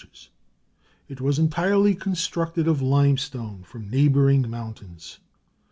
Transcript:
It was entirely constructed of limestone from neighboring mountains.